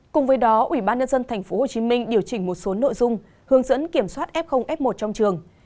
cùng với đó ubnd tp hcm điều chỉnh một số nội dung hướng dẫn kiểm soát f f một trong trường